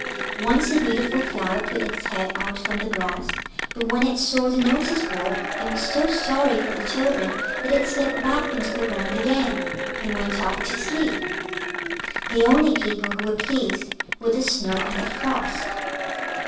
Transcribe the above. Once a beautiful flower put its head out from the grass, but when it saw the notice board it was so sorry for the children that it slipped back into the ground again, and went off to sleep. The only people who were pleased were the Snow and the Frost.